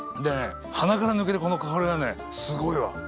でね鼻から抜けるこの香りがねすごいわ。